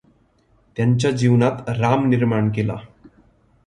त्यांच्या जीवनात राम निर्माण केला.